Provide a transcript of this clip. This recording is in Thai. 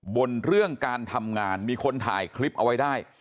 เรื่องการทำงานมีคนถ่ายคลิปเอาไว้ได้